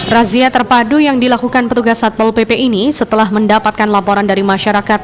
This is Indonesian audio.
razia terpadu yang dilakukan petugas satpol pp ini setelah mendapatkan laporan dari masyarakat